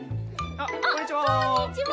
あっこんにちは。